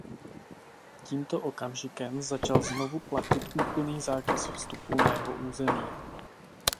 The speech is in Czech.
Tímto okamžikem začal znovu platit úplný zákaz vstupu na jeho území.